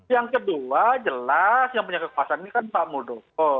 yang kedua jelas yang punya kekuasaan ini kan pak muldoko